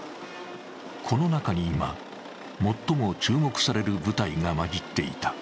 この中に今、最も注目される部隊が交じっていた。